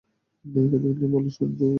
নায়িকা দেখলে বলে, সঞ্জু লাইন মারে!